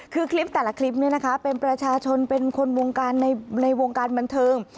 คือคลิปแต่ละคลิปนี้นะคะเป็นประชาชนเป็นคนวงการในวงการบันเทิง